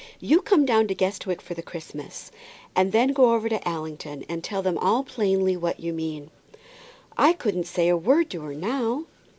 You come down to Guestwick for the Christmas, and then go over to Allington and tell them all plainly what you mean." "I couldn't say a word to her now."